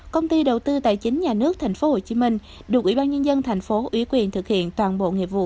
công ty đầu tư tài chính nhà nước tp hcm đột ủy ban nhân dân thành phố ủy quyền thực hiện toàn bộ nghiệp vụ